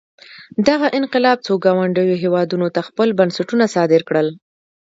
دغه انقلاب څو ګاونډیو هېوادونو ته خپل بنسټونه صادر کړل.